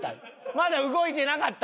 まだ動いてなかった？